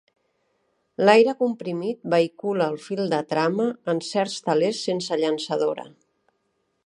L'aire comprimit vehicula el fil de trama en certs telers sense llançadora.